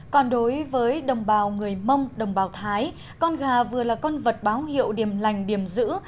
còn đối với đồng bào người mông đồng bào thái con gà vừa là con vật báo hiệu điểm lành điểm giữ